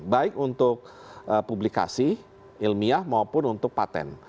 baik untuk publikasi ilmiah maupun untuk patent